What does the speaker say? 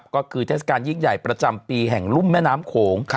ก็คือเทศกาลยิ่งใหญ่ประจำปีแห่งรุ่มแม่น้ำโขง